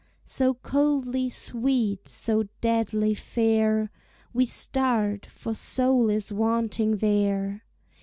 So coldly sweet, so deadly fair, We start, for soul is wanting there.